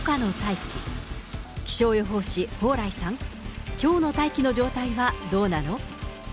気象予報士、蓬莱さん、きょうの大気の状態はどうなの？